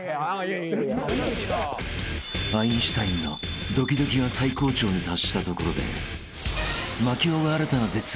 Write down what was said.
［アインシュタインのドキドキが最高潮に達したところで槙尾が］